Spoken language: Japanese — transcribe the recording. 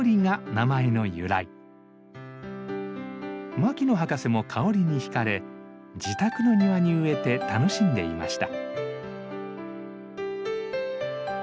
牧野博士も香りに惹かれ自宅の庭に植えて楽しんでいました。